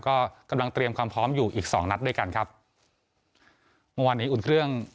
ก็กำลังเตรียมความพร้อมอยู่อีกสองนัดด้วยกันครับเมื่อวานนี้อุ่นเครื่อง